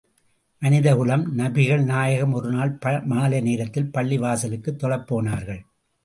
மனித குணம் நபிகள் நாயகம் ஒருநாள் மாலைநேரத்தில் பள்ளி வாசலுக்குத் தொழப் போனார்கள்.